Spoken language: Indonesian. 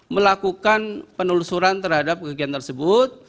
melakukan penelusuran terhadap kegiatan tersebut